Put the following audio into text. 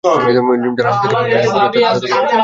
যাঁরা নিচ থেকে গাড়ি নিয়ে ওপরে ওঠেন তাঁরাও সতর্ক হতে চান না।